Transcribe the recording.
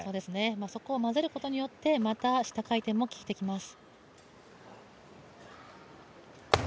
そこを混ぜることによってまた下回転も効いてきます。